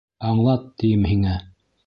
Аңлат, тием һиңә?